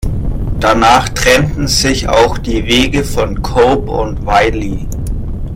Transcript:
Danach trennten sich auch die Wege von Cope und Wylie.